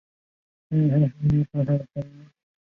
通常可通过让病人伸舌来检查舌下神经的功能。